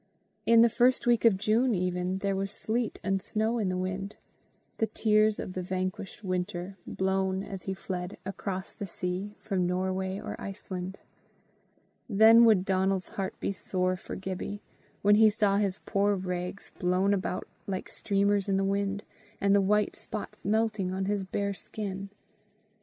In the first week of June even, there was sleet and snow in the wind the tears of the vanquished Winter, blown, as he fled, across the sea, from Norway or Iceland. Then would Donal's heart be sore for Gibbie, when he saw his poor rags blown about like streamers in the wind, and the white spots melting on his bare skin.